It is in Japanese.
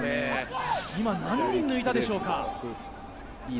今、何人抜いたでしょうか。